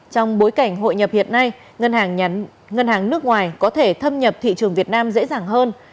trong bối cảnh hội nhập hiện nay ngân hàng nước ngoài có thể thâm nhập thị trường việt nam dễ dàng hơn